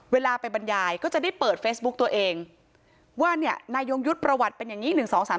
เวลาไปบรรยายก็จะได้เปิดเฟซบุ๊กตัวเองว่าเนี่ยนายยงยุทธ์ประวัติเป็นอย่างนี้๑๒๓